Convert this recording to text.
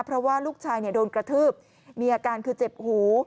เพราะว่าลูกชายโดนกระทืบมีอาการคือเจ็บหู